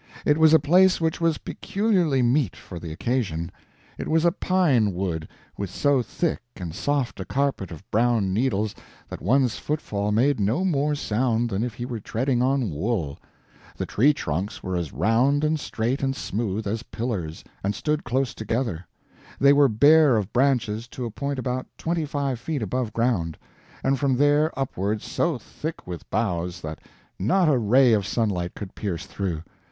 It was a place which was peculiarly meet for the occasion. It was a pine wood, with so thick and soft a carpet of brown needles that one's footfall made no more sound than if he were treading on wool; the tree trunks were as round and straight and smooth as pillars, and stood close together; they were bare of branches to a point about twenty five feet above ground, and from there upward so thick with boughs that not a ray of sunlight could pierce through.